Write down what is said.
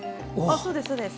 そうですそうです。